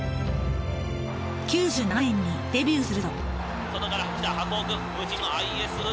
９７年にデビューすると。